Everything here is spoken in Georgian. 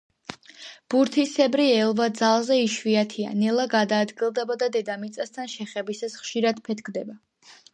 ბურთისებრი ელვა ძალზე იშვიათია, ნელა გადაადგილდება და დედამიწასთან შეხებისას ხშირად ფეთქდება.